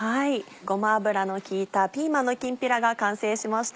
ごま油の効いたピーマンのきんぴらが完成しました。